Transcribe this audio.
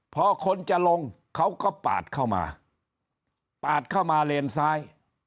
พอคนจะลงเขาก็ปาดเข้ามาปาดเข้ามาเลนซ้าย